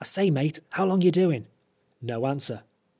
"I say, mate, how long ye doin'?" No answer.